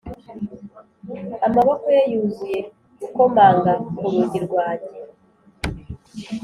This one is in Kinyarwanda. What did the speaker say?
amaboko ye yuzuye gukomanga ku rugi rwanjye;